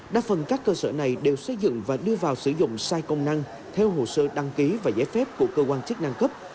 đa phần các cơ sở này đều xây dựng và đưa vào sử dụng sai công năng theo hồ sơ đăng ký và giải phép của cơ quan chức năng cấp